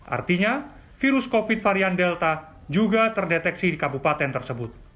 artinya virus covid varian delta juga terdeteksi di kabupaten tersebut